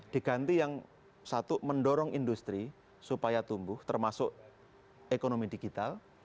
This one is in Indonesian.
diganti yang satu mendorong industri supaya tumbuh termasuk ekonomi digital